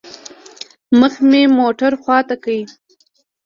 مخ مې موټر خوا ته كړ.